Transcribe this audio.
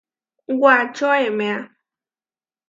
Wačo eméa.